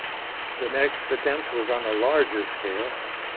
The next attempt was on a larger scale.